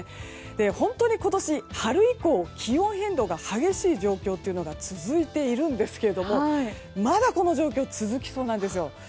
本当に今年、春以降気温変動が激しい状況が続いているんですけどもまだ、この状況は続きそうなんですよ。